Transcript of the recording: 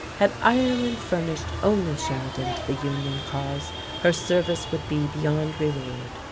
Had Ireland furnished only Sheridan to the Union cause, her service would be beyond reward.